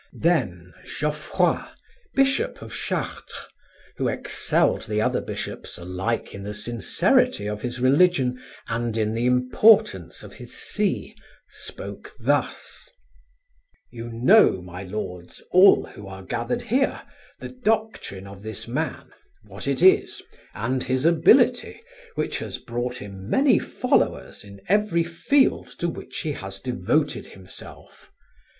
Then Geoffroi, Bishop of Chartres, who excelled the other bishops alike in the sincerity of his religion and in the importance of his see, spoke thus: "You know, my lords, all who are gathered here, the doctrine of this man, what it is, and his ability, which has brought him many followers in every field to which he has devoted himself.